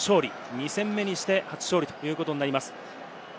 ２戦目にして初勝利ということになります。